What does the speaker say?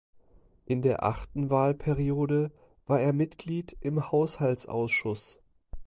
In der achten Wahlperiode war er Mitglied im Haushaltsausschuss.